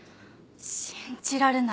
信じられない。